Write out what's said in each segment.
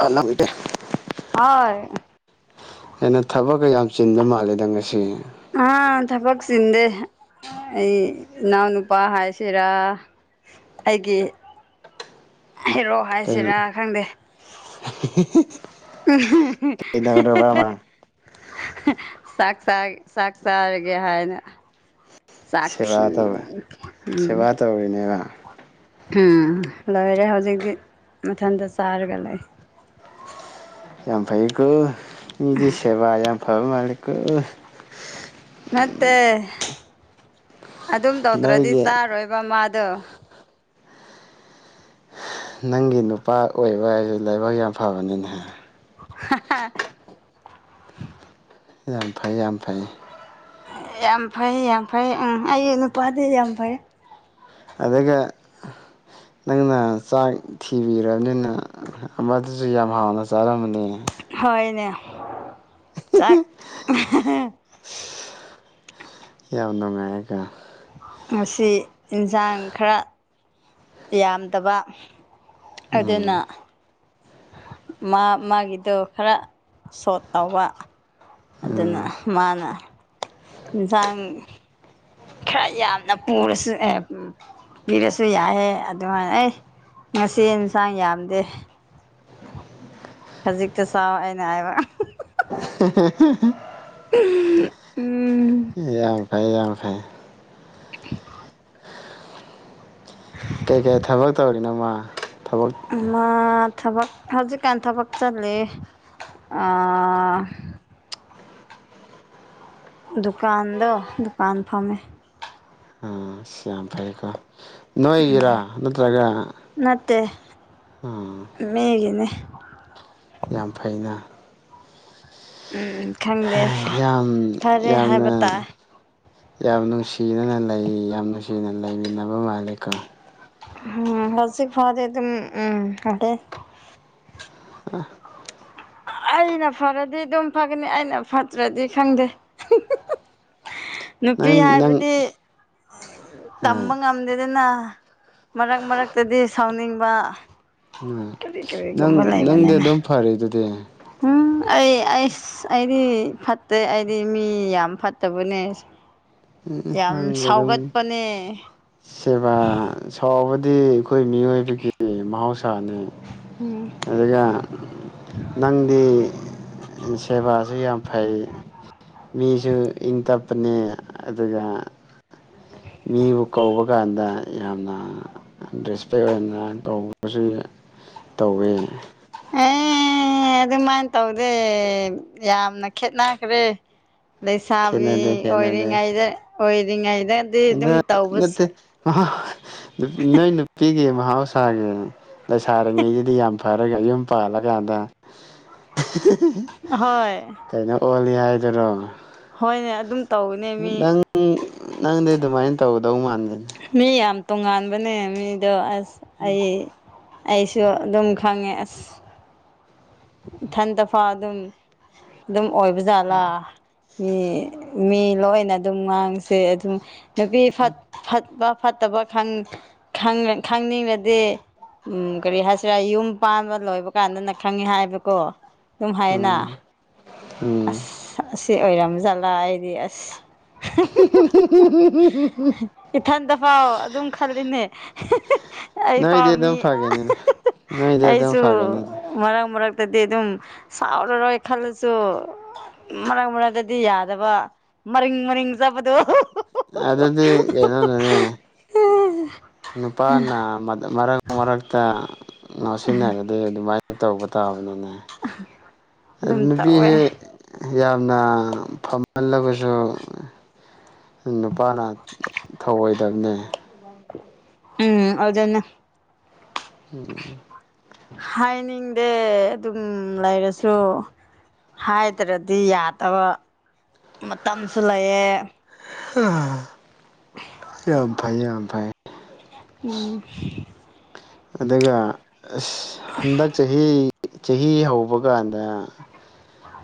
ꯍꯜꯂꯣꯏꯗꯦ ꯍꯣꯏ ꯍꯦꯟꯅ ꯊꯕꯛꯀ ꯌꯥꯝ ꯆꯤꯟꯕ ꯃꯥꯜꯂꯦꯗ ꯉꯁꯤ ꯑꯥ ꯊꯕꯛ ꯆꯟꯗꯦ ꯑꯩ ꯏꯅꯥꯎ ꯅꯨꯄꯥ ꯍꯥꯏꯁꯤꯔꯥ ꯑꯩꯒꯤ ꯍꯦꯔꯣ ꯀꯩ ꯍꯥꯏꯁꯤꯔꯥ ꯈꯪꯗꯦ [inaudible] [unintelligible] ꯎ ꯀꯩꯗꯧꯔꯕ ꯆꯥꯛꯆꯥꯥ ꯆꯥꯛꯆꯔꯒꯦ ꯍꯥꯏꯅ ꯆꯥꯛ ꯊꯤ ꯁꯦꯕꯥ ꯇꯧꯋꯦ ꯎꯝ ꯁꯦꯕꯥ ꯇꯧꯔꯤꯅꯦꯕ ꯎꯝ ꯂꯣꯏꯔꯦ ꯍꯧꯖꯤꯛꯇꯤ ꯃꯊꯟꯇ ꯆꯥꯔꯒ ꯂꯩ ꯌꯥꯝꯐꯩꯌꯦꯀꯣ ꯃꯤꯗꯤ ꯁꯦꯕꯥ ꯌꯥꯝꯐꯕ ꯃꯥꯂꯤꯀꯣ ꯅꯠꯇꯦ ꯑꯗꯨꯝ ꯇꯧꯗ꯭ꯔꯗꯤ ꯅꯣꯏꯒꯤ ꯆꯥꯔꯣꯏꯕ ꯃꯥꯗ ꯗꯣ ꯅꯪꯒꯤ ꯅꯨꯄꯥ ꯑꯣꯏꯕ ꯍꯥꯏꯖꯦ ꯂꯥꯏꯕꯛ ꯌꯥꯝ ꯐꯕꯅꯤꯅꯦ [inaudible] ꯌꯥꯝ ꯐꯩ ꯌꯥꯝ ꯐꯩ ꯌꯥꯝ ꯐꯩ ꯌꯥꯝ ꯐꯩ ꯎꯝ ꯑꯩꯒꯤ ꯅꯨꯄꯥꯗꯤ ꯌꯥꯝ ꯐꯩ ꯑꯗꯨꯒ ꯅꯪꯅ ꯆꯥꯛ ꯊꯤꯕꯤꯔꯕꯅꯦꯅ ꯑꯃꯗꯨꯁꯨ ꯌꯥꯝ ꯍꯥꯎꯅ ꯆꯥꯔꯝꯃꯅꯤ ꯍꯣꯏꯅꯦ ꯆꯥꯛ ꯌꯥꯝ ꯅꯨꯡꯉꯥꯏꯑꯒ ꯉꯁꯤ ꯏꯟꯁꯥꯡ ꯈꯔ ꯌꯥꯝꯗꯕ ꯑꯗꯨꯅ ꯎꯝ ꯃꯥ ꯃꯥꯒꯤꯗꯣ ꯈꯔ ꯁꯣꯠ ꯇꯧꯕ ꯑꯗꯨꯅ ꯎꯝ ꯃꯥꯅ ꯏꯟꯁꯥꯡ ꯈꯔ ꯌꯥꯝꯅ ꯄꯨꯔꯁꯨ ꯑ ꯄꯤꯔꯁꯨ ꯌꯥꯏꯑꯦ ꯑꯗꯨꯃꯥꯅ ꯑꯩ ꯉꯁꯤ ꯏꯟꯁꯥꯡ ꯌꯥꯝꯗꯦ ꯈꯖꯤꯛꯇ ꯆꯥꯎ ꯑꯩꯅ ꯍꯥꯏꯕ [inaudible] ꯎꯝ ꯌꯥꯝ ꯐꯩ ꯌꯥꯝ ꯐꯩ ꯀꯩꯀꯩ ꯊꯕꯛ ꯇꯧꯔꯤꯅꯣꯃꯥ ꯃꯥ ꯊꯕꯛ ꯍꯧꯖꯤꯛꯀꯥꯟ ꯊꯕꯛ ꯆꯠꯂꯤ ꯑꯥ ꯗꯨꯀꯥꯟꯗꯣ ꯗꯨꯀꯥꯟ ꯐꯝꯃꯤ ꯑꯥ ꯑꯁ ꯌꯥꯝ ꯐꯩꯀꯣ ꯅꯣꯏꯒꯤꯔꯥ ꯅꯠꯇ꯭ꯔꯒ ꯅꯠꯇꯦ ꯑꯥ ꯃꯤꯒꯤꯅꯤ ꯌꯥꯝ ꯐꯩꯅꯥ ꯎꯝ ꯈꯪꯗꯦ ꯌꯥꯝ ꯐꯔꯦ ꯍꯥꯏꯕ ꯌꯥꯝꯅ ꯇꯥꯏ ꯌꯥꯝ ꯅꯨꯡꯁꯤꯅꯅ ꯂꯩ ꯌꯥꯝ ꯅꯨꯡꯁꯤꯅ ꯂꯩꯃꯤꯟꯅꯕ ꯃꯥꯜꯂꯦꯀꯣ ꯎꯝ ꯍꯧꯖꯤꯛ ꯐꯥꯎꯗꯤ ꯑꯗꯨꯝ ꯎꯝ ꯂꯩ ꯑꯩꯅ ꯐꯔꯗꯤ ꯑꯗꯨꯝ ꯐꯒꯅꯤ ꯑꯩꯅ ꯐꯠꯇ꯭ꯔꯗꯤ ꯈꯪꯗꯦ [inaudible] ꯅꯨꯄꯤ ꯅꯪ ꯍꯥꯏꯕꯗꯤ ꯑꯥ ꯇꯝꯕ ꯉꯝꯗꯦꯗꯅ ꯃꯔꯛ ꯃꯔꯛꯇꯗꯤ ꯁꯥꯎꯅꯤꯡꯕ ꯑꯥ ꯀꯔꯤ ꯅꯪ ꯀꯔꯤꯒꯨꯝꯕ ꯅꯪꯗꯤ ꯂꯩꯕꯅꯤꯅ ꯑꯗꯨꯝ ꯐꯔꯤꯗꯨꯗꯤ ꯎꯝ ꯑꯩ ꯑꯩꯁ ꯑꯩꯗꯤ ꯐꯠꯇꯦ ꯑꯩꯗꯤ ꯃꯤ ꯌꯥꯝ ꯐꯠꯇꯕꯅꯦ [inaudible] ꯌꯥꯝ ꯅꯪꯁꯦ ꯑꯗꯨꯝ ꯁꯥꯎꯒꯠꯄꯅꯦ ꯁꯦꯕꯥ ꯁꯥꯎꯕ ꯗꯤ ꯑꯩꯈꯣꯏ ꯃꯤꯑꯣꯏ-ꯕꯒꯤ ꯃꯍꯧꯁꯥꯅꯦ ꯑꯗꯨꯒ ꯅꯪꯗꯤ ꯁꯦꯕꯥꯁꯨ ꯌꯥꯝ ꯐꯩ ꯃꯤꯁꯨ ꯏꯪꯇꯞ ꯄꯅꯤ ꯑꯗꯨꯒ ꯃꯤꯕꯨ ꯀꯧꯕ ꯀꯥꯟꯗ ꯌꯥꯝꯅ ꯔꯦꯁꯄꯦꯛ ꯑꯣꯏꯅ ꯇꯧꯕꯁꯨ ꯇꯧꯋꯦ ꯑꯩ ꯑꯦ ꯑꯗꯨꯃꯥꯏꯅ ꯇꯧꯗꯦ ꯌꯥꯝꯅ ꯈꯦꯠꯅꯈ꯭ꯔꯦ ꯂꯩꯁꯥꯕꯤ ꯈꯦꯠꯅꯗꯦ ꯈꯦꯠꯅꯗꯦ ꯑꯣꯏꯔꯤꯉꯩꯗ ꯑꯣꯏꯔꯤꯉꯩꯗꯗꯤ ꯑꯗꯨꯝ ꯇꯧꯕ ꯅꯨ ꯅꯣꯏ ꯅꯨꯄꯤꯒꯤ ꯃꯍꯧꯁꯥꯒꯤ ꯂꯩꯁꯥꯔꯤꯉꯩꯗꯨꯗꯤ ꯌꯥꯝ ꯐꯔꯒ ꯌꯨꯝ ꯄꯥꯜꯂꯀꯥꯟꯗ ꯍꯣꯏ ꯀꯩꯅꯣ ꯑꯣꯜꯂꯤ ꯍꯥꯏꯗꯔꯣ ꯍꯣꯏꯅꯦ ꯑꯗꯨꯝ ꯇꯧꯕꯅꯦ ꯃꯤ ꯅꯪ ꯅꯪꯗꯤ ꯑꯗꯨꯃꯥꯏꯅ ꯇꯧꯒꯗꯧ ꯃꯥꯟꯒꯦꯅꯦ ꯃꯤ ꯌꯥꯝ ꯇꯣꯉꯥꯟꯕꯅꯦ ꯃꯤꯗꯣ ꯑꯁ ꯑꯩ ꯑꯩꯁꯨ ꯑꯗꯨꯝ ꯈꯪꯉꯦ ꯑꯁ ꯏꯊꯟ ꯇꯐꯥ ꯑꯗꯨꯝ ꯑꯗꯨꯝ ꯑꯣꯏꯕꯖꯥꯠꯂꯥ ꯃꯤ ꯃꯤ ꯂꯣꯏꯅ ꯑꯗꯨꯝ ꯉꯥꯡꯁꯦ ꯑꯗꯨꯝ ꯅꯨꯄꯤꯠ ꯐꯠꯄ ꯐꯠꯇꯕ ꯈꯪꯅꯤꯡꯉꯗꯤ ꯎꯝ ꯀꯔꯤ ꯍꯥꯏꯁꯤꯔꯥ ꯌꯨꯝ ꯄꯥꯟꯕ ꯂꯣꯏꯕ ꯀꯥꯟꯗꯅ ꯈꯪꯉꯤ ꯍꯥꯏꯕ ꯑꯗꯨꯀꯣ ꯑꯗꯨꯝ ꯍꯥꯏꯌꯦꯅ ꯎꯝ ꯎꯝ ꯑꯁ ꯑꯁꯤ ꯑꯣꯏꯔꯝꯖꯠꯂꯥ ꯑꯩꯗꯤ ꯑꯁ ꯏꯊꯟꯇꯐꯥꯎ ꯑꯗꯨꯝ ꯈꯜꯂꯤꯅꯦ ꯑꯩ ꯅꯣꯏꯗꯤ ꯄꯥꯝꯃꯤ ꯑꯗꯨꯝ ꯐꯒꯅꯤꯗ ꯅꯣꯏꯗꯤ ꯑꯗꯨꯝ ꯑꯩꯁꯨ ꯐꯒꯅꯤꯗ ꯃꯔꯛ ꯃꯔꯛꯇ ꯗꯤ ꯑꯗꯨꯝ ꯁꯥꯎꯔ ꯔꯦ ꯈꯜꯂꯁꯨ ꯃꯔꯛ ꯃꯔꯛꯇꯗꯤ ꯌꯥꯗꯕ ꯃꯔꯤꯡ ꯃꯔꯤꯡ ꯆꯥꯠꯄꯗꯣ ꯑꯗꯨꯗꯤ ꯀꯩꯅꯣꯅꯥꯅꯦ ꯅꯨꯄꯥꯅ ꯃꯔꯛ ꯃꯔꯛꯇ ꯉꯣꯁꯤꯟꯅꯔꯗꯤ ꯑꯗꯨꯝ ꯑꯗꯨꯃꯥꯏꯅ ꯇꯧꯕ ꯇꯥꯕꯅꯤꯅ ꯑꯗꯨ ꯑꯗꯨꯝ ꯇꯧꯋꯦ ꯅꯨꯄꯤꯁꯦ ꯌꯥꯝꯅ ꯐꯃꯜꯂꯕꯁꯨ ꯅꯨꯄꯥꯅ ꯊꯧꯑꯣꯏꯗꯕꯅꯦ ꯎꯝ ꯑꯗꯨꯅꯤ ꯎꯝ ꯍꯥꯏꯅꯤꯡꯗꯦ ꯑꯗꯨꯝ ꯂꯩꯔꯁꯨ ꯍꯥꯏꯗ꯭ꯔꯗꯤ ꯌꯥꯗꯕ ꯃꯇꯝꯁꯨ ꯂꯩꯌꯦ ꯌꯥꯝ ꯐꯩ ꯌꯥꯝ ꯐꯩ ꯑꯗꯨꯒ ꯑꯁ ꯍꯟꯗꯛ ꯆꯍꯤ ꯆꯍꯤ ꯍꯧꯕ ꯀꯥꯟꯗ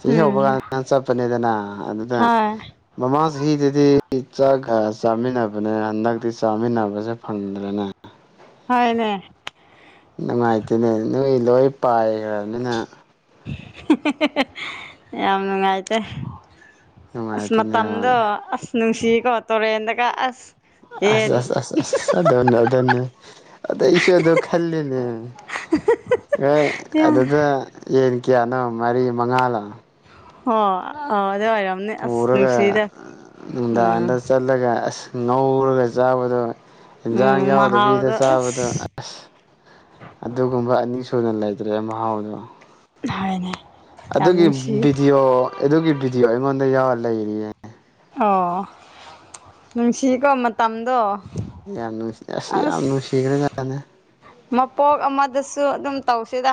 ꯆꯍꯤ ꯍꯧꯕ ꯎꯝ ꯀꯥꯟꯗ ꯆꯠꯄꯅꯦꯗꯅ ꯑꯗꯨꯗ ꯍꯣꯏ ꯃꯃꯥꯡ ꯆꯍꯤꯗꯗꯤ ꯆꯥꯛ ꯀꯥ ꯆꯥꯃꯤꯟꯅꯕꯅꯦ ꯍꯟꯗꯛꯇꯤ ꯆꯥꯃꯤꯟꯅꯕꯁꯦ ꯐꯪꯗ꯭ꯔꯦꯅꯦ ꯍꯣꯏꯅꯦ ꯅꯨꯡꯉꯥꯏꯇꯦꯅꯦ ꯅꯣꯏ ꯂꯣꯏ ꯄꯥꯏꯈ꯭ꯔꯅꯤꯅ ꯌꯥꯝ ꯅꯨꯡꯉꯥꯏꯇꯦ ꯑꯁ ꯅꯨꯡꯉꯥꯏꯇꯦꯅꯦ ꯍꯣꯏ ꯃꯇꯝꯗꯣ ꯑꯁ ꯅꯨꯡꯁꯤꯀꯣ ꯇꯨꯔꯦꯟꯗꯒ ꯑꯁ ꯑꯁ ꯌꯦꯟ ꯑꯁ ꯑꯁ ꯑꯁ ꯑꯗꯨꯅꯤ ꯑꯗꯨꯅꯤ ꯑꯗꯩꯁꯨ ꯑꯗꯨ ꯈꯜꯂꯤꯅꯦ ꯈꯣꯏ ꯑꯗꯨꯗ ꯌꯦꯟ ꯀꯌꯥꯅꯣ ꯃꯔꯤ ꯃꯉꯥꯂꯣ ꯍꯣ ꯑ ꯄꯨꯔꯒ ꯅꯨꯡꯗꯥꯡꯗ ꯎꯝ ꯆꯠꯂꯒ ꯑꯁ ꯉꯧꯔꯒ ꯆꯥꯕꯗꯣ ꯏꯟꯖꯥꯡ ꯎꯝ ꯌꯥꯎꯗꯕꯤꯗ ꯃꯍꯥꯎꯗꯣ ꯆꯥꯕꯗꯣ ꯑꯁ ꯑꯁ ꯑꯗꯨꯒꯨꯝꯕ ꯑꯅꯤꯁꯨ ꯁꯨꯅ ꯂꯩꯇ꯭ꯔꯦ ꯃꯍꯥꯎꯗꯣ ꯍꯣꯢꯅꯦ ꯑꯗꯨꯒꯤ ꯚꯤꯗꯤꯑꯣ ꯑꯗꯨꯒꯤ ꯚꯤꯗꯤꯑꯣ ꯑꯩꯉꯣꯟꯗ ꯌꯥꯎꯔ ꯂꯩꯔꯤꯌꯦ ꯑꯣ ꯅꯨꯡꯁꯤꯀꯣ ꯃꯇꯝꯗꯣ ꯌꯥꯝ ꯅꯨꯡꯁꯤ ꯑꯁ ꯌꯥꯝ ꯅꯨꯡꯁꯤꯈ꯭ꯔꯦ ꯖꯥꯠꯅꯤ ꯃꯄꯣꯛ ꯑꯃꯗꯁꯨ ꯑꯗꯨꯝ ꯇꯧꯁꯤꯗ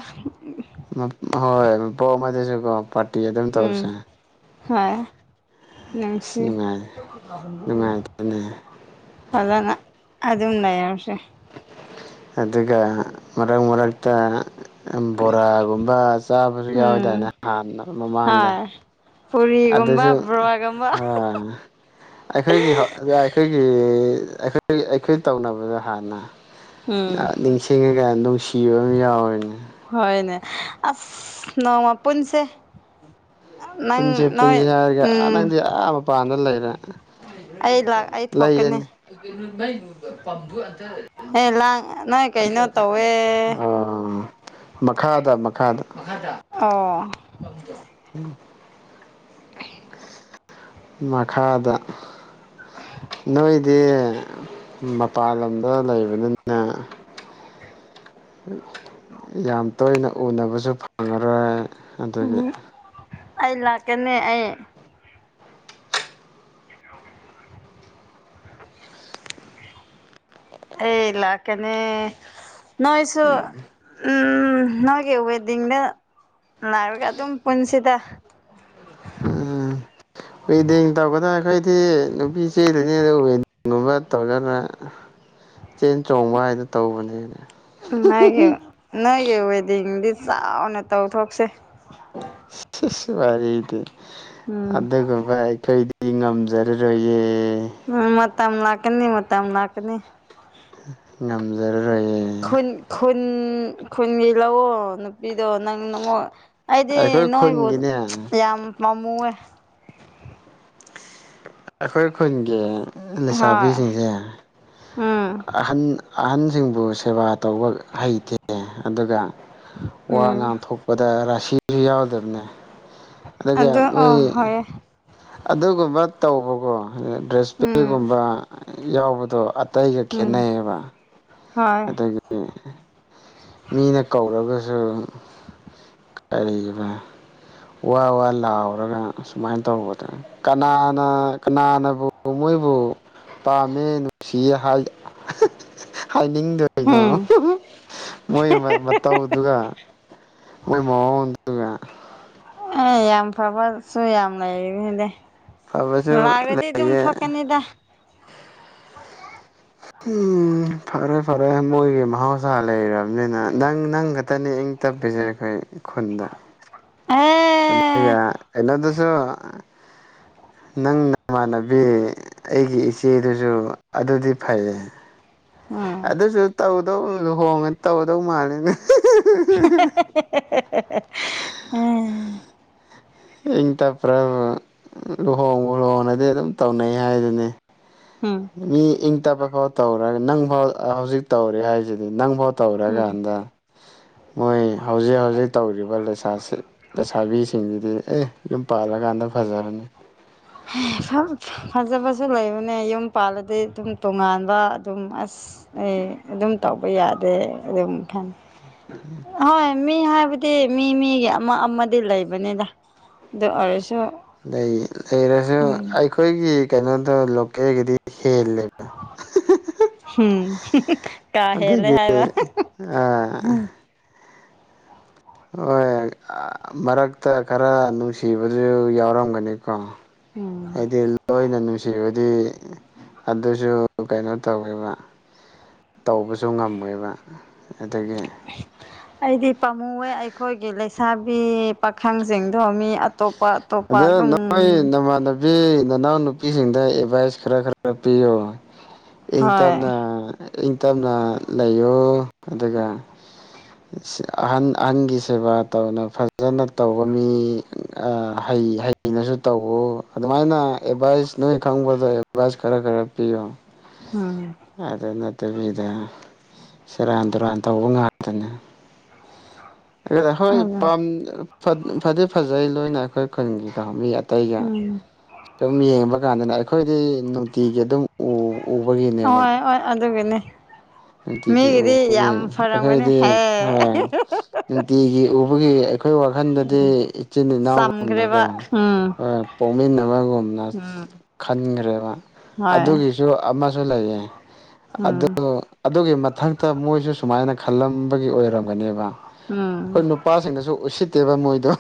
ꯍꯣꯏ ꯃꯄꯣꯛ ꯑꯃꯗꯁꯨꯀꯣ ꯄꯥꯔꯇꯤ ꯑꯗꯨꯝ ꯇꯧꯁꯦ ꯎꯝ ꯍꯣꯏ ꯅꯨꯡꯁꯤ ꯅꯨꯡꯉꯥꯏꯔꯦ ꯅꯨꯡꯉꯥꯏꯇꯦꯅꯦ ꯐꯖꯅ ꯑꯗꯨꯝ ꯂꯩꯔꯁꯦ ꯑꯗꯨꯒ ꯃꯔꯛ ꯃꯔꯛꯇ ꯕꯣꯔꯥꯒꯨꯝꯕ ꯆꯥꯕꯁꯨ ꯌꯥꯎꯋꯦꯗꯥꯏꯅꯦ ꯎꯝ ꯍꯥꯟꯅ ꯃꯃꯥꯡꯗ ꯍꯣꯏ ꯑꯗꯨꯁꯨ ꯄꯨꯔꯤꯒꯨꯝꯕ ꯕꯣꯔꯥꯒꯨꯝꯕ ꯑ ꯑꯩꯈꯣꯏꯒꯤ ꯑꯩꯈꯣꯏꯒꯤ ꯑꯩꯈꯣꯏ ꯑꯩꯈꯣꯏ ꯇꯧꯅꯕꯗ ꯍꯥꯟꯅ ꯎꯝ ꯅꯤꯡꯁꯤꯡꯉꯒ ꯅꯨꯡꯁꯤ ꯀꯤꯕ ꯑꯃ ꯌꯥꯎꯑꯦꯅꯦ ꯍꯣꯏꯅꯦ ꯑꯁ ꯅꯣꯡꯃꯥ ꯄꯨꯟꯁꯦ ꯅꯪ ꯄꯨꯟꯁꯦ ꯅꯣꯏ ꯄꯨꯟꯁꯦ ꯍꯥꯏꯔꯒ ꯑꯥ ꯎꯝ ꯅꯪꯗꯤ ꯑꯥ ꯃꯄꯥꯟꯗ ꯂꯩꯔꯦ ꯑꯩ ꯂꯥꯛ ꯑꯩ ꯊꯣꯛꯀꯅꯤ [unintelligible] ꯍꯦ ꯂꯥꯡ ꯅꯣꯏ ꯀꯩꯅꯣ ꯇꯧꯋꯦ ꯑꯥ ꯃꯈꯥꯗ ꯃꯈꯥꯗ ꯃꯈꯥꯗ ꯑꯣ ꯃꯈꯥꯗ ꯅꯣꯏꯗꯤ ꯃꯄꯥꯟ ꯂꯝꯗ ꯂꯩꯕꯅꯤꯅ ꯌꯥꯝ ꯇꯣꯏꯅ ꯎꯅꯕꯁꯨ ꯐꯪꯉꯔꯣꯏ ꯎꯝ ꯑꯗꯨꯒꯤ ꯑꯩ ꯂꯥꯛꯀꯅꯤ ꯑꯩ ꯑꯩ ꯂꯥꯛꯀꯅꯤ ꯅꯣꯏꯁꯨꯣ ꯎꯝ ꯅꯣꯏꯒꯤ ꯋꯦꯗꯤꯡꯗ ꯂꯥꯛꯔꯒ ꯑꯗꯨꯝ ꯄꯨꯟꯁꯤꯗ ꯎꯝ ꯋꯦꯗꯤꯡ ꯇꯧꯒꯗ꯭ꯔꯥ ꯈꯩꯈꯣꯏꯗꯤ ꯅꯨꯄꯤ ꯆꯦꯗꯅꯤ ꯑꯗꯨ ꯋꯗꯤꯡ ꯒꯨꯝꯕ ꯇꯧꯖꯅ ꯆꯦꯟ ꯆꯣꯡꯕ ꯍꯥꯏꯗꯣ ꯇꯧꯕꯅꯦ ꯅꯣꯏꯒꯤ ꯅꯣꯏꯒꯤ ꯋꯦꯗꯤꯡꯗꯤ ꯆꯥꯎꯅ ꯇꯧꯊꯣꯛꯁꯦ ꯁꯤꯁ ꯋꯥꯔꯤꯔꯤꯗꯤ ꯎꯝ ꯑꯗꯨꯒꯨꯝꯕꯥ [unintelligible] ꯉꯝꯖꯔꯥꯔꯣꯏꯌꯦ ꯃꯇꯝ ꯂꯥꯀꯅꯤ ꯃꯇꯝ ꯂꯥꯀꯅꯤ [unintelligible] ꯈꯨꯟ ꯈꯨꯨꯟ ꯈꯨꯟꯒꯤ ꯂꯩꯑꯣ ꯄꯤꯗꯣ ꯅꯪꯉ ꯑꯩꯗꯤ ꯑꯩꯈꯣꯏ ꯅꯣꯏꯕꯨ ꯈꯨꯟꯒꯤꯅꯦ ꯌꯥꯝ ꯄꯥꯃꯨꯋꯦ ꯑꯩꯈꯣꯏ ꯈꯨꯟꯒꯤ ꯍꯣꯏ ꯂꯩꯁꯥꯕꯤꯁꯤꯡꯁꯦ ꯎꯝ ꯑꯍꯟ ꯑꯍꯟꯁꯤꯡꯕꯨ ꯁꯦꯕꯥ ꯇꯧꯕ ꯍꯩꯇꯦ ꯑꯗꯨꯒ ꯋꯥ ꯎꯝ ꯉꯥꯡꯊꯣꯛꯄꯗ ꯔꯥꯁꯤꯁꯨ ꯌꯥꯎꯗꯕꯅꯦ ꯑꯗꯒꯤ ꯑꯥ ꯑꯗꯨ ꯑ ꯍꯣꯏ [unintelligible] ꯑꯗꯨꯒꯨꯝꯕ ꯇꯧꯕꯀꯣ ꯎꯝ ꯔꯦꯁꯄꯦꯛꯒꯨꯝꯕ ꯌꯥꯎꯕꯗꯣ ꯑꯇꯩꯒ ꯎꯝ ꯈꯦꯠꯅꯩꯌꯦꯕ ꯍꯣꯏ ꯑꯗꯒꯤ ꯃꯤꯅ ꯀꯧꯔꯒꯁꯨ ꯑꯗꯨ ꯀꯩꯕꯥ ꯋꯥ ꯋꯥ ꯂꯥꯎꯔꯒ ꯁꯨꯃꯥꯏꯅ ꯇꯧꯕ ꯀꯅꯥꯅ ꯀꯅꯥꯅꯕꯨ ꯃꯣꯏꯕꯨ ꯄꯥꯝꯃꯦ [unintelligible] ꯅꯤꯡꯗꯣꯏꯅꯣ ꯎꯝ ꯃꯣꯏ ꯃꯇꯧꯗꯨꯒ ꯃꯣꯏ ꯃꯑꯣꯡꯗꯨꯒꯥ ꯑꯦ ꯌꯥꯝ ꯐꯕꯁꯨ ꯌꯥꯝ ꯂꯩꯅꯤꯗ ꯐꯕꯁꯨ ꯂꯥꯛꯔꯗꯤ ꯑꯗꯨꯝ ꯂꯩꯌꯦ ꯐꯀꯅꯤꯗ ꯐꯔꯣꯏ ꯐꯔꯦꯏ ꯃꯣꯏꯒꯤ ꯃꯍꯧꯁꯥ ꯂꯩꯔꯕꯅꯤꯅ ꯅꯪ ꯅꯪ ꯈꯛꯇꯅꯦ ꯏꯪ ꯇꯞꯄꯤꯁꯦ ꯑꯩꯈꯣꯏ ꯈꯨꯟꯗ ꯑꯦ ꯑꯗꯨꯒ ꯀꯩꯅꯣꯗꯁꯨ ꯅꯪ ꯅꯃꯥꯟꯅꯕꯤ ꯑꯩꯒꯤ ꯏꯆꯦꯗꯨꯁꯨ ꯑꯗꯨꯗꯤ ꯐꯩꯌꯦ ꯎꯝ ꯑꯗꯨꯁꯨ ꯇꯧꯗꯧ ꯂꯨꯍꯣꯡꯉꯥꯗꯤ ꯇꯧꯗꯧ ꯃꯥꯜꯂꯤꯅꯦ [unintelligible] ꯎꯝ ꯏꯪ ꯇꯞꯄ꯭ꯔ ꯂꯨꯍꯣꯡ ꯂꯨꯍꯣꯡꯅꯗꯤ ꯑꯗꯨꯝ ꯇꯧꯅꯩ ꯍꯥꯏꯗꯨꯅꯤ ꯎꯝ ꯃꯤ ꯏꯪ ꯇꯞꯄ ꯐꯥꯎ ꯇꯧꯔꯒ ꯅꯪ ꯐꯥꯎ ꯍꯧꯖꯤꯛ ꯇꯧꯔꯦ ꯍꯥꯏꯁꯤꯗꯤ ꯅꯪ ꯐꯥꯎ ꯎꯝ ꯇꯧꯔꯒꯥꯟꯗ ꯃꯣꯏ ꯍꯧꯖꯤꯛ ꯍꯧꯖꯤꯛ ꯇꯧꯔꯤꯕ ꯂꯩꯁꯥꯁꯤ ꯂꯩꯁꯥꯕꯤꯁꯤꯡꯁꯤꯗꯤ ꯑꯦ ꯌꯨꯝ ꯄꯥꯜꯂꯀꯥꯟꯗ ꯐꯖꯔꯅꯤ ꯐ ꯐꯖꯕꯁꯨ ꯂꯩꯕꯅꯦ ꯌꯨꯝ ꯄꯥꯜꯂꯗꯤ ꯑꯗꯨꯝ ꯇꯣꯉꯥꯟꯕ ꯑꯗꯨꯝ ꯑꯁ ꯑꯩ ꯑꯗꯨꯝ ꯇꯧꯕ ꯌꯥꯗꯦ ꯑꯗꯨꯝ ꯈꯅ ꯎꯝ ꯃꯤ ꯍꯥꯏꯕꯗꯤ ꯃꯤ ꯃꯤꯒꯤ ꯑꯃ ꯑꯃꯗꯤ ꯂꯩꯕꯅꯤꯗ ꯑꯗꯨ ꯑꯣꯏꯔꯁꯨ ꯂꯩ ꯂꯩꯔꯁꯨ ꯑꯩꯈꯣꯏꯒꯤ ꯀꯩꯅꯣꯗꯣ ꯂꯣꯀꯦꯜꯒꯤꯗꯤ ꯍꯦ ꯎꯝ ꯀꯥ ꯍꯦꯂꯦ ꯑꯗꯒꯤ ꯍꯥꯏꯕ ꯑꯥ ꯍꯣꯏ ꯃꯔꯛꯇ ꯈꯔ ꯅꯨꯡꯁꯤꯕꯗꯨ ꯌꯥꯎꯔꯝꯒꯅꯤ ꯀ ꯎꯝ ꯍꯥꯏꯗꯤꯂꯣ ꯁꯤꯕꯨꯗꯤ ꯑꯗꯨꯁꯨ ꯀꯩꯅꯣ ꯇꯧꯋꯦꯕ ꯇꯧꯕꯁꯨ ꯉꯝꯃꯣꯏꯕ ꯑꯗꯒꯤ ꯑꯩꯗꯤ ꯄꯥꯝꯃꯨꯋꯦ ꯑꯩꯈꯣꯏꯒꯤ ꯂꯩꯁꯥꯕꯤ ꯄꯥꯈꯪꯁꯤꯡ ꯣꯃꯤ ꯑꯇꯣꯞꯄ ꯑꯇꯣꯞꯄ ꯑꯗꯨꯝ ꯏ ꯅꯅꯥꯎ ꯅꯨꯄꯤꯁꯤꯡꯗ ꯑꯦꯗꯚꯥꯏꯁ ꯈꯔ ꯈꯔ ꯛꯄꯤꯌꯣ ꯏꯪ ꯍꯣꯏ ꯇꯞꯅ ꯏꯪ ꯇꯞꯅ ꯂꯩꯌꯣ ꯑꯗꯨꯒ ꯑꯍꯟ ꯑꯍꯟꯒꯤ ꯁꯦꯕꯥ ꯇꯧꯅ ꯐꯖꯅ ꯇꯧꯕ ꯃꯤ ꯑ ꯍ ꯍꯥꯏ ꯑꯩꯅꯁꯨ ꯇꯧꯎ ꯑꯗꯨꯃꯥꯏꯅ ꯑꯦꯗꯚꯥꯏꯁ ꯅꯣꯏ ꯈꯪꯕꯗ ꯑꯦꯗꯚꯥꯏꯁ ꯈꯔ ꯈꯔ ꯄꯤꯌꯨ ꯎꯝ ꯑꯗ ꯅ ꯠꯇꯕꯤꯗ ꯁꯦꯔꯥꯟ ꯇꯨꯔꯥꯟ ꯇꯧꯕ ꯉꯥꯛꯇꯅꯦ ꯍꯣꯏ ꯑꯗꯨ ꯐꯗꯤ ꯐꯖꯩ ꯂꯣꯏꯅ ꯑꯩꯈꯣꯏ ꯈꯨꯟꯒꯤꯗ ꯌꯥꯦ ꯑꯇꯩꯒ ꯎꯝ ꯁꯨꯝ ꯌꯦꯡꯕ ꯀꯥꯟꯗꯅ ꯑꯩꯈꯣꯏꯗꯤ ꯅꯨꯡꯇꯤꯒꯤ ꯑꯗꯨꯝ ꯎ ꯍ ꯑꯗꯨꯒꯤꯅꯦ ꯅꯨꯡꯇꯤꯒꯤ ꯃꯤꯒꯤꯗꯤ ꯎꯕꯒꯤ ꯌꯥꯝ ꯐꯔꯝꯒꯅꯤ ꯑꯩꯈꯣꯏꯗꯤ ꯍꯦ ꯍꯣꯏ ꯅꯨꯡꯇꯤꯒꯤ ꯎꯕꯒꯤ ꯑꯩꯈꯣꯏ ꯋꯥꯈꯜꯗꯗꯤ ꯏꯆꯤꯟ ꯏꯅꯥꯎꯒꯨꯝꯅꯀꯣ ꯆꯝꯈ꯭ꯔꯦꯕ ꯎꯝ ꯍꯣꯏ ꯄꯣꯛꯃꯤꯟꯅꯕꯒꯨꯝꯅ ꯎꯝ ꯈꯟꯈ꯭ꯔꯦꯕ ꯍꯣꯏ ꯑꯗꯨꯒꯤꯁꯨ ꯎꯝ ꯑꯗꯨꯒꯤ ꯃꯊꯛꯇ ꯃꯣꯏꯁꯨ ꯁꯨꯃꯥꯏꯅ ꯈꯜꯂꯝꯕꯒꯤ ꯑꯣꯏꯔꯃꯦ ꯉꯝꯒꯅꯦꯕ ꯑꯩꯈꯣꯏ ꯎꯝ ꯅꯨꯄꯥꯁꯤꯡꯗꯁꯨ ꯎꯁꯤꯠꯇꯦꯕ ꯃꯣꯏꯗꯣ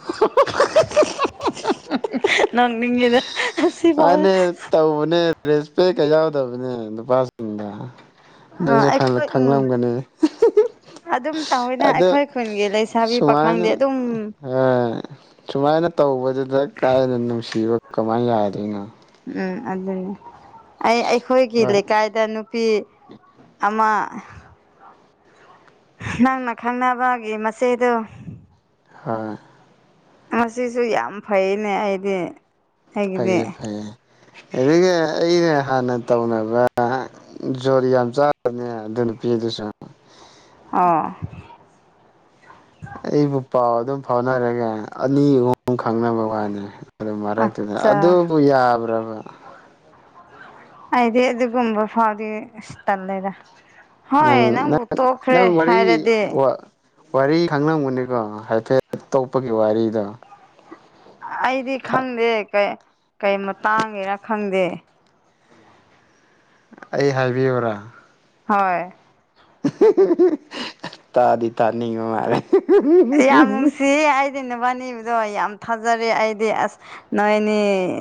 ꯅꯣꯛꯅꯤꯡꯉꯤꯗ ꯑꯁꯤꯐꯥꯎꯗꯤ ꯑ ꯇꯧꯅꯦ ꯔꯦꯁꯄꯦ ꯀꯩ ꯌꯥꯎꯗꯕꯅꯦ ꯅꯨꯄꯥꯁꯤꯡꯗ ꯅꯪꯁꯨ ꯑ ꯑꯩꯈꯣꯏ ꯎꯝ ꯈꯪꯂꯝꯒꯅꯤ ꯑꯗꯨꯝ ꯇꯧꯋꯤꯅ ꯑꯗꯣ ꯑꯩꯈꯣꯏ ꯈꯨꯟꯒꯤ ꯂꯩꯁꯥꯕꯤ ꯁꯨꯃꯥꯏꯅ ꯄꯥꯈꯪꯗꯤ ꯑꯗꯨꯝ ꯍꯣꯏ ꯁꯨꯃꯥꯏꯅ ꯇꯧꯕꯗꯨꯗ ꯀꯥꯏꯅ ꯅꯨꯡꯁꯤꯕ ꯀꯃꯥꯏꯅ ꯌꯥꯗꯣꯏꯅꯣ ꯎꯝ ꯑꯗꯨꯅꯤ ꯑꯩ ꯑꯩꯈꯣꯏꯒꯤ ꯍꯣꯏ ꯂꯩꯀꯥꯏꯗ ꯅꯨꯄꯤ ꯑꯃ ꯅꯪꯅ ꯈꯪꯅꯕꯒꯤꯦ ꯃꯁꯦꯗꯨ ꯍꯣꯏ ꯉꯁꯨ ꯌꯥꯝ ꯐꯩꯅꯦ ꯑꯩꯗꯤ ꯑꯩꯒꯤꯗꯤ ꯐꯩꯌꯦ ꯐꯩꯌꯦ ꯑꯗꯨꯒ ꯑꯩꯅ ꯍꯥꯟꯅ ꯇꯧꯅꯕ ꯖꯣꯔꯤ ꯌꯥꯝ ꯆꯥꯕꯅꯦ ꯑꯗꯨ ꯅꯨꯄꯤ ꯑꯗꯨꯁꯨ ꯑꯣꯥ ꯑꯩꯕꯨ ꯄꯥꯎ ꯑꯗꯨꯝ ꯐꯥꯎꯅꯔꯒꯦ ꯑꯅꯤ ꯑꯍꯨꯝ ꯈꯪꯅꯕ ꯋꯥꯅꯤ ꯑꯗꯨ ꯃꯔꯛꯇꯨꯗ ꯑꯠꯆꯥ ꯑꯗꯨꯕꯨ ꯌꯥꯕ꯭ꯔꯕ ꯍꯥꯏꯗꯤ ꯑꯗꯨꯒꯨꯝꯕ ꯐꯥꯎꯗꯤ ꯇꯜꯂꯦꯗ ꯍꯣꯏ ꯅꯪ ꯅꯪꯕꯨ ꯅꯪ ꯇꯣꯛꯈ꯭ꯔꯦ ꯅꯪ ꯋꯥꯔꯤ ꯍꯥꯏꯔꯗꯤ ꯋꯥꯔꯤ ꯈꯪꯂꯝꯒꯅꯤꯀꯣ ꯍꯥꯏꯐꯦꯠ ꯇꯣꯛꯄꯒꯤ ꯋꯥꯔꯤꯗ ꯑꯩꯗꯤ ꯈꯪꯗꯦ ꯀꯩ ꯃꯇꯥꯡꯒꯦꯔ ꯈꯪꯗꯦ ꯑꯩ ꯍꯥꯏꯕꯤꯌꯨꯔꯥ ꯍꯣꯏ ꯇꯥꯗꯤ ꯇꯥꯅꯤ ꯃꯥꯔꯦ ꯌꯥꯝ ꯅꯨꯡꯁꯤꯌꯦ ꯑꯩꯗꯤ ꯅꯨꯕꯥꯅꯤꯕꯗꯣ ꯌꯥꯝ ꯊꯥꯖꯔꯦ ꯑꯩꯗꯤ ꯑꯁ ꯅꯣꯏꯅꯤ